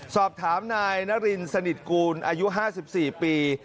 สอบถามนายนารินสนิทกูลอายุ๕๔ปี